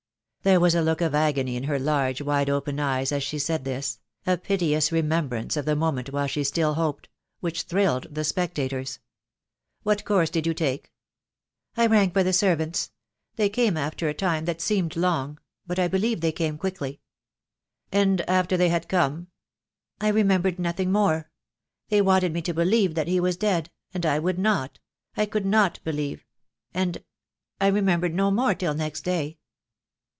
There was a look of agony in her large wide open eyes as she said this — a piteous remembrance of the mo ment while she still hoped — which thrilled the spectators. "What course did you take?" "I rang for the servants. They came after a time that seemed long — but I believe they came quickly." "And after they had come ?" "I remembered nothing more. They wanted me to believe that he was dead— and I would not — I could not believe — and — I remember no more till next day."